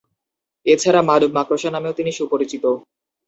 এছাড়া "মানব মাকড়সা" নামেও তিনি সুপরিচিত।